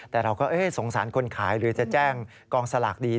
แต่เราก็สงสารคนขายหรือจะแจ้งกองสลากดี